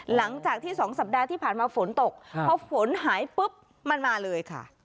หลังจากที่๒สัปดาห์ที่ผ่านมาฝนตกพอฝนหายปุ๊บมันมาเลยค่ะ